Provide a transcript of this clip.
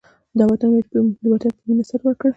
د وطن په مینه کې سر ورکړئ.